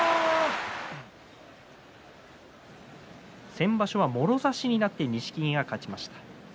先場所はもろ差しになって錦木が勝ちました。